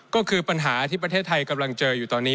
ก็คือปัญหาที่ประเทศไทยกำลังเจออยู่ตอนนี้